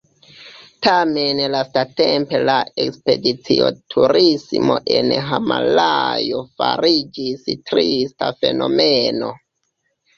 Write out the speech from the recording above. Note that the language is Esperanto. Tamen lastatempe la ekspedicio-turismo en Himalajo fariĝis trista fenomeno.